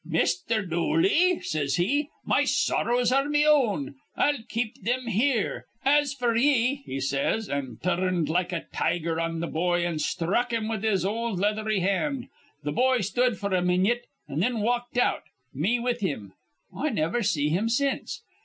'Misther Dooley,' says he, 'my sorrows are me own. I'll keep thim here. As f'r ye,' he says, an' tur rned like a tiger on th' boy an' sthruck him with his ol' leathery hand. Th' boy stood f'r a minyit, an' thin walked out, me with him. I niver see him since.